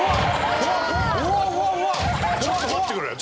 ちょっと待ってくれ。